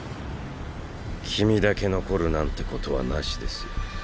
君だけ残るなんてことはなしですよ。